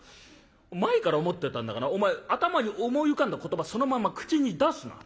前から思ってたんだがなお前頭に思い浮かんだ言葉そのまんま口に出すな。